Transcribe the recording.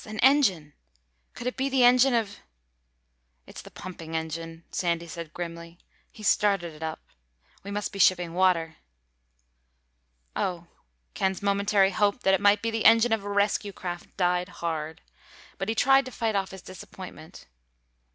An engine! Could it be the engine of—?" "It's the pumping engine," Sandy said grimly. "He's started it up. We must be shipping water." "Oh." Ken's momentary hope that it might be the engine of a rescue craft died hard. But he tried to fight off his disappointment.